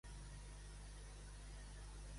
Ves a Deliveroo i demana alguna cosa asiàtica.